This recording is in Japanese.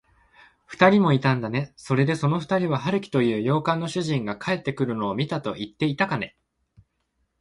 ふたりもいたんだね。それで、そのふたりは、春木という洋館の主人が帰ってくるのを見たといっていたかね。